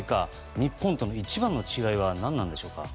日本との一番の違いは何なのでしょうか。